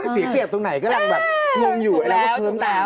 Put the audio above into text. สีเปรียบตรงไหนกำลังแบบมุมอยู่แล้วเขินไป